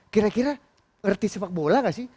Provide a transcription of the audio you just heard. kira kira ngerti sepak bola gak sih